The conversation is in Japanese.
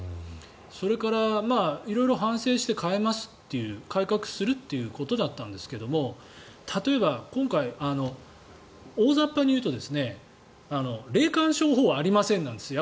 それから色々反省して変えますっていう改革するっていうことだったんですけど例えば、今回大雑把に言うと霊感商法はありませんなんですよ